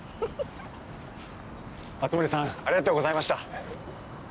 熱護さんありがとうございました。